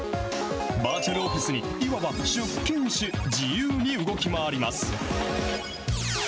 バーチャルオフィスにいわば出勤し、自由に動き回ります。